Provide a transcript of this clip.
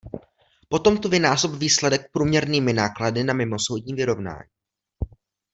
Potom to vynásob výsledek průměrnými náklady na mimosoudní vyrovnání.